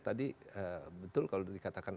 tadi betul kalau dikatakan